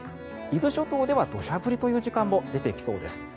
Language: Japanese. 伊豆諸島では土砂降りという時間も出てきそうです。